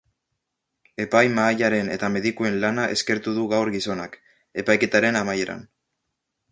Epaimahaiaren eta medikuen lana eskertu du gaur gizonak, epaiketaren amaieran.